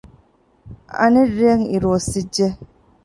އަނެއް ރެއަށް އިރު އޮއްސިއް ޖެ